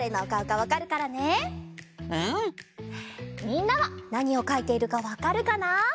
みんなはなにをかいているかわかるかな？